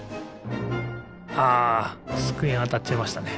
あつくえにあたっちゃいましたね。